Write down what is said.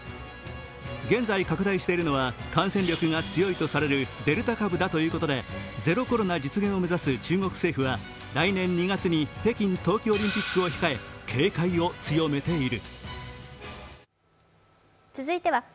現在、拡大しているのは感染力が強いとされるデルタ株だということでゼロ・コロナ実現を目指す中国政府は来年２月に北京冬季オリンピックを控え、警戒を強めている。